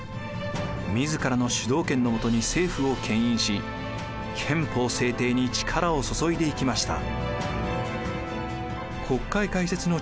自らの主導権のもとに政府をけん引し憲法制定に力を注いでいきました。